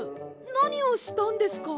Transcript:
なにをしたんですか？